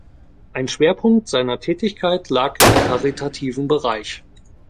Ein Schwerpunkt seiner Tätigkeit lag im karitativen Bereich.